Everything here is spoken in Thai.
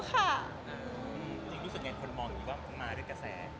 พร้อมค่ะ